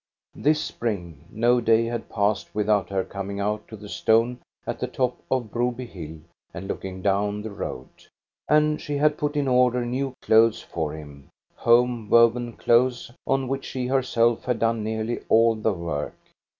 This spring, no day had passed without her coming out to the stone at the top of Broby hill and looking down the road. And she had put in order new lothes for him, home woven clothes, on which she ^ 340 THE STORY OF GOSTA BE RUNG herself had done nearly all the work.